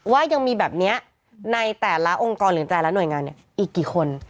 ว่ายังมีแบบนี้ในแต่ละองค์กรหรือแต่ละหน่วยงานอีกกี่คน